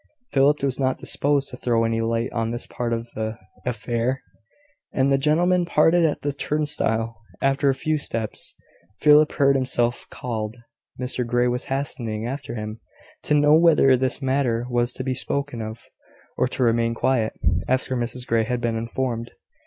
Philip was not disposed to throw any light on this part of the affair; and the gentlemen parted at the turnstile. After a few steps, Philip heard himself called. Mr Grey was hastening after him, to know whether this matter was to be spoken of, or to remain quiet, after Mrs Grey had been informed.